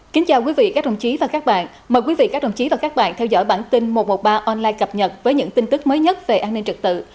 chào mừng quý vị đến với bản tin một trăm một mươi ba online cập nhật với những tin tức mới nhất về an ninh trực tự